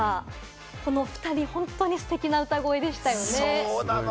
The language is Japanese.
この２人、本当にステキな歌声でしたよね。